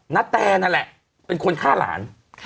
นาแตนั่นแหละเป็นคนฆ่าหลาน